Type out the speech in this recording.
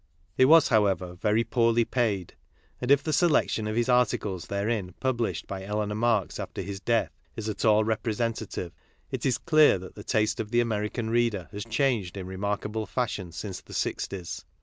It w as, however, very poorly paid, and if the selection of his articles therein published by Eleanor Marx after his death is at all representative, it is clear that the taste of the American I reader has changed in remarkable fashion since the 'sixties.